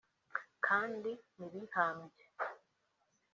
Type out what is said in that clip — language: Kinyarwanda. kandi ntibihambye